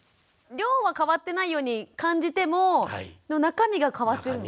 量は変わってないように感じても中身が変わってる？